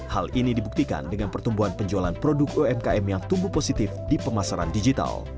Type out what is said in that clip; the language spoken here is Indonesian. hal ini dibuktikan dengan pertumbuhan penjualan produk umkm yang tumbuh positif di pemasaran digital